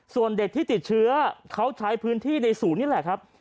ส่วนเด็กที่ติดเชื้อเขาใช้พื้นที่ในศูนย์นี่แหละครับ